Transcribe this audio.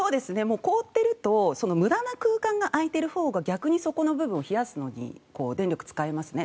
凍っていると無駄な空間が空いているほうが逆にそこの部分を冷やすのに電力を使いますね。